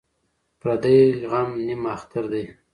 ـ پردى غم نيم اختر دى.